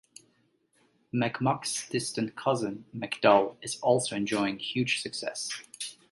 McMug's distant cousin, McDull, is also enjoying huge success.